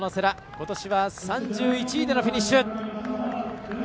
ことしは３１位でのフィニッシュ。